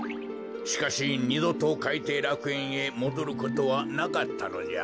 しかしにどとかいていらくえんへもどることはなかったのじゃ。